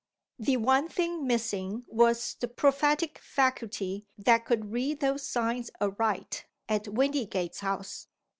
The one thing missing was the prophetic faculty that could read those signs aright at Windygates House.